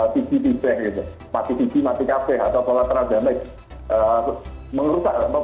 tigi tigih mati tigi mati kapih atau collateral damage